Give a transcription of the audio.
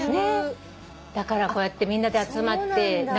だからこうやってみんなで集まって長旅に。